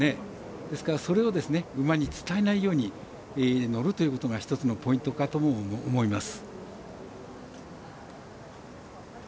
ですから、それを馬に伝えないように乗るというのが一つのポイントかとも思います。